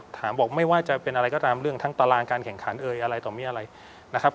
ถามบอกไม่ว่าจะเป็นอะไรก็ตามเรื่องทั้งตารางการแข่งขันเอ่ยอะไรต่อมีอะไรนะครับ